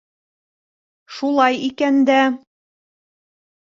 Шулай икән дә...